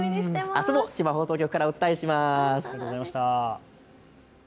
あすも千葉放送局からお伝えします。